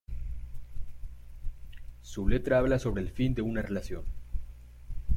Su letra habla sobre el fin de una relación.